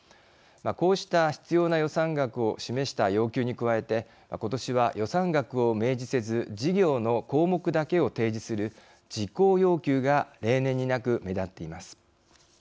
こうした必要な予算額を示した要求に加えて今年は、予算額を明示せず事業の項目だけを提示する事項要求が例年になく目立っています。